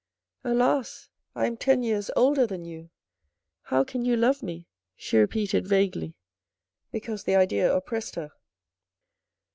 " Alas ! I am ten years older than you. How can you love me ?" she repeated vaguely, because the idea oppressed her.